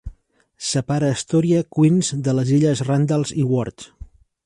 Separa Astoria, Queens, de les illes Randalls i Wards.